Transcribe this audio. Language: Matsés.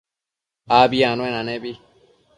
Abi anuenanebi